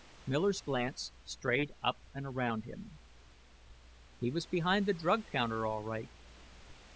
Miller's glance strayed up and around him. He was behind the drug counter, all right.